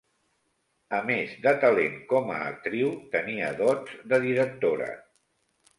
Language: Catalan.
A més de talent com a actriu, tenia dots de directora.